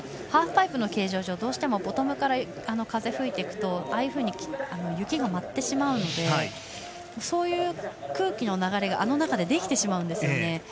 ハーフパイプの形状上どうしてもボトムから風が吹くとああいうふうに雪が舞ってしまうのでそういう空気の流れがあの中でできてしまうんですよね。